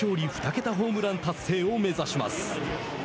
ホームラン達成を目指します。